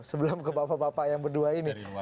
sebelum ke bapak bapak yang berdua ini